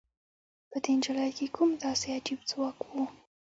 په دې نجلۍ کې کوم داسې عجيب ځواک و؟